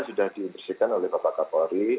sudah dibersihkan oleh bapak kapolri